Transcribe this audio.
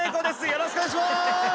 よろしくお願いします。